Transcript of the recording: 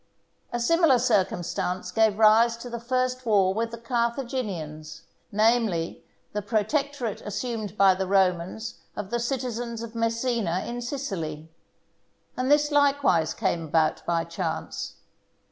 A similar circumstance gave rise to the first war with the Carthaginians, namely the protectorate assumed by the Romans of the citizens of Messina in Sicily, and this likewise came about by chance.